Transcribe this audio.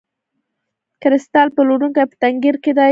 کریستال پلورونکی په تنګیر کې دی.